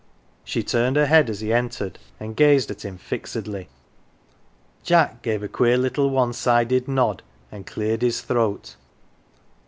She turned her head as he entered, and gazed at him fixedly. Jack gave a queer little one sided nod, and cleared his throat.